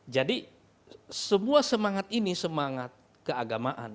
jadi semua semangat ini semangat keagamaan